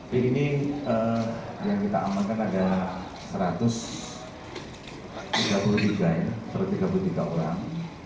di ini yang kita amankan ada satu ratus tiga puluh tiga orang